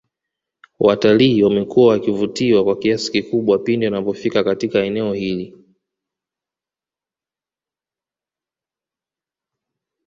Waltalii wamekuwa wakivutiwa kwa kiasi kikubwa pindi wanapofika Katika eneo hili